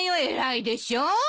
偉いでしょ。